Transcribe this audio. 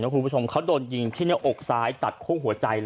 นะครับคุณผู้ชมเขาโดนยิงที่เนี่ยอกซ้ายตัดควงหัวใจเลยนะ